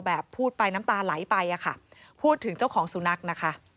แบบพูดไปน้ำตาไหลไปค่ะพูดถึงเจ้าของสู่นัก